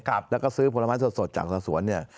แล้วก็ซื้อผลไม้สดจากสวน